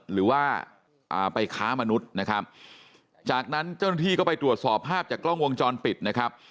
หรือว่าไปค้ามนุษย์นะครับจากนั้นเจ้าหน้าที่ก็ไปตรวจสอบภาพจากกล้องวงจรปิดนะครับ